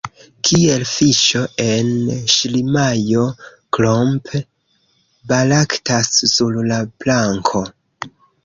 Kiel fiŝo en ŝlimajo Klomp baraktas sur la planko.